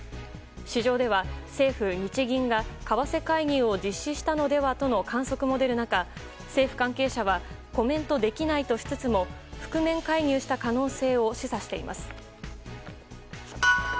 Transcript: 市場では、政府・日銀が為替介入を実施したのではと観測も出る中、政府関係者はコメントできないとしつつも覆面介入した可能性を示唆しています。